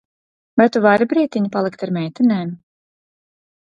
Vai tu vari brītiņu palikt ar meitenēm?